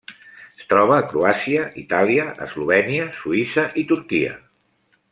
Es troba a Croàcia, Itàlia, Eslovènia, Suïssa i Turquia.